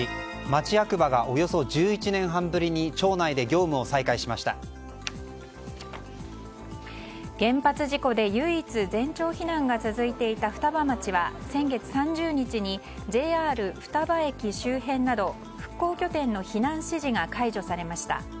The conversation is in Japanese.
町役場がおよそ１１年半ぶりに原発事故で唯一全町避難が続いていた双葉町は先月３０日にＪＲ双葉駅周辺など復興拠点の避難指示が解除されました。